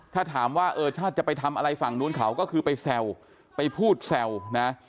ถ้าถามว่าเออชาติจะไปทำอะไรฝั่งนู้นเขาก็คือไปแซวไปพูดแซวนะ